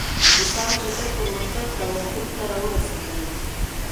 روسانو چټک پرمختګ کاوه او پولو ته راورسېدل